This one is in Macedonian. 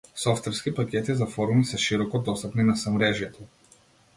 Софтверски пакети за форуми се широко достапни на семрежјето.